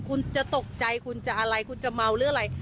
คุณจะตกใจคุณจะอะไรคุณจะเมาหรืออะไร